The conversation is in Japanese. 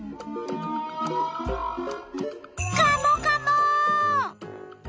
カモカモ！